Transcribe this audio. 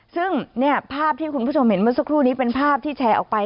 ซึ่งภาพที่คุณผู้ชมเห็นเมื่อสักครู่นี้เป็นภาพที่แชร์ออกไป